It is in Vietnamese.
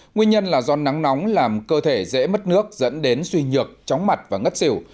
nguyên nhân là do nắng nóng làm cơ thể dễ mất nước dẫn đến suy nhược chóng mặt và ngất xỉu